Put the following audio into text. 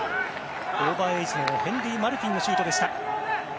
オーバーエージのヘンリー・マルティンのシュートでした。